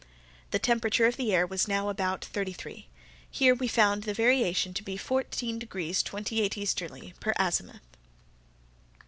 The temperature of the air was now about thirty three. Here we found the variation to be 14 degrees 28' easterly, per azimuth.